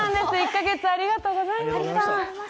１か月、ありがとうございました。